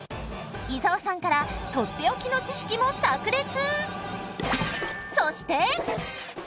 伊沢さんから取って置きの知識もさく裂！